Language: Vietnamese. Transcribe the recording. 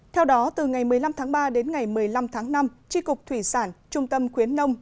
theo đó từ ngày một mươi năm tháng ba đến ngày một mươi năm tháng năm tri cục thủy sản trung tâm khuyến nông